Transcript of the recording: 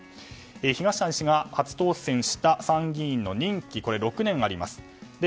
東谷氏が初当選した参議院の任期は６年あります。